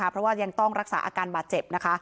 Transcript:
เพราะว่ายังต้องรักษาอาการบาดเจ็บนะคะ